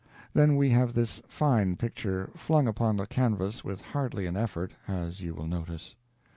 Then we have this fine picture flung upon the canvas with hardly an effort, as you will notice.